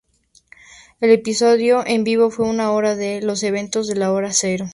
El episodio en vivo fue una hora de los eventos de la Hora Cero.